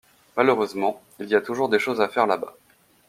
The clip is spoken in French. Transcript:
Malheureusement, il y a toujours des choses à faire là-bas.